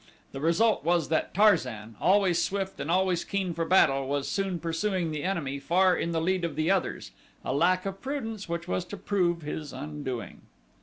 The result was that Tarzan, always swift and always keen for battle, was soon pursuing the enemy far in the lead of the others a lack of prudence which was to prove his undoing.